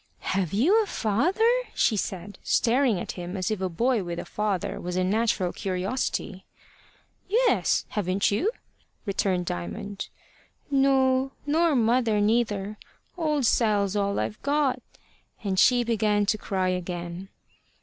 "Have you a father?" she said, staring at him as if a boy with a father was a natural curiosity. "Yes. Haven't you?" returned Diamond. "No; nor mother neither. Old Sal's all I've got." And she began to cry again.